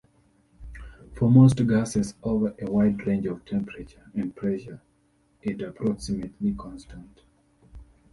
For most gases over a wide range of temperature and pressure, is approximately constant.